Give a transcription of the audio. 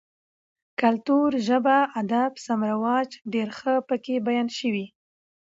کلتور, ژبه ، اداب، رسم رواج ډېر ښه پکې بيان شوي